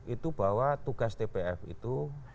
itu bahwa tugas tpf itu